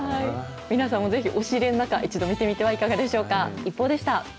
皆さんもぜひ押し入れの中、一度見てみてはいかがでしょうか。